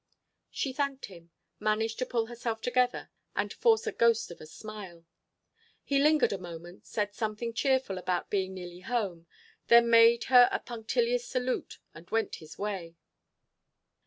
She thanked him, managed to pull herself together and force a ghost of a smile. He lingered a moment, said something cheerful about being nearly home, then made her a punctilious salute and went his way.